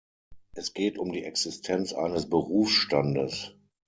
Es geht um die Existenz eines Berufsstandes.